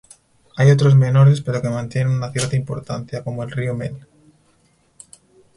Hay otros menores pero que mantienen una cierta importancia como el río Mel.